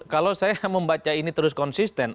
kalau saya membaca ini terus konsisten